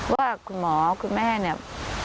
ว่าคุณหมอคุณแม่เนี่ย